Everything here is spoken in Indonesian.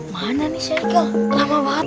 mana nih serika lama banget